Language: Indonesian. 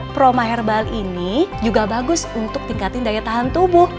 proma herbal ini juga bagus untuk tingkatin daya tahan tubuh